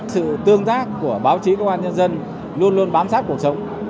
sự tương tác của báo chí công an nhân dân luôn luôn bám sát cuộc sống